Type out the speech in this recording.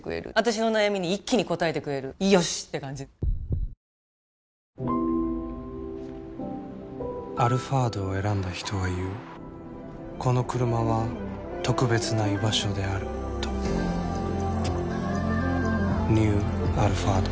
「氷結」「アルファード」を選んだ人は言うこのクルマは特別な居場所であるとニュー「アルファード」